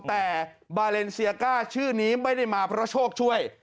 แต่บาเลนเซียก้าชื่อนี้ไม่ได้มาเพราะโชคช่วย